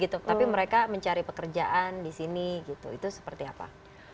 tapi mereka mencari pekerjaan di sini gitu itu seperti apa